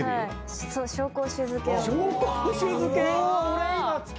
紹興酒漬け⁉